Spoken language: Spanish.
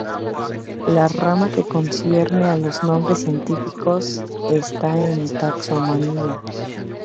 La rama que concierne a sus nombres científicos está en Taxonomía.